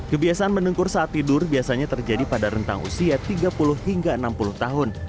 kebiasaan mendengkur saat tidur biasanya terjadi pada rentang usia tiga puluh hingga enam puluh tahun